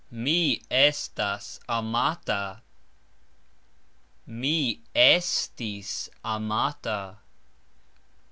Mi estas amata. Mi estis amata.